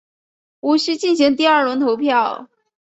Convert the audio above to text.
无须进行第二轮投票。